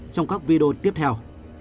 trong các video tiếp theo